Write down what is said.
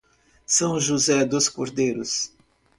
São José dos Cordeiros